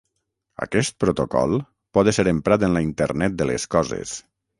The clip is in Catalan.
Aquest protocol pot ésser emprat en la Internet de les coses.